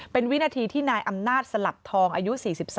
เป็นวินาทีที่นายอำนาจสลับทองอายุ๔๒